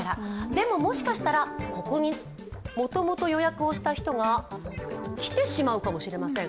でも、もしかしたらここにもともと予約をした人が来てしまうかもしれません。